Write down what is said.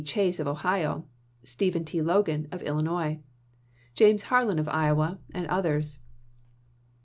Chase, of Ohio ; Stephen T. Logan, of Illinois ; James Harlan, of Iowa, and others.